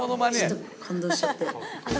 感動しちゃって。